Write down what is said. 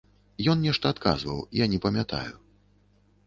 Ён нешта адказваў, я не памятаю.